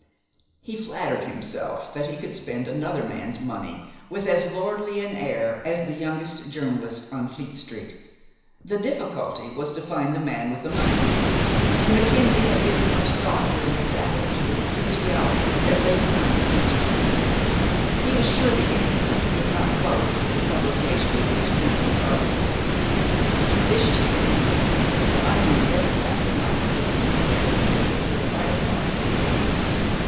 He flattered himself that he could spend another man's money with as lordly an air as the youngest journalist on Fleet st. The difficulty was to find the man with the money, and Mackenzie had given much thought during the Sabbath to the potentialities that lay behind Spencer's whim. He was sure the incident would not close with the publication of Miss Wynton's articles. Judiciously handled, her unknown benefactor might prove equally beneficial to "The Firefly."